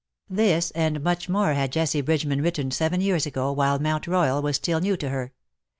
This and much more had Jessie Bridgeman written seven years ago, while Mount Royal was still new to her.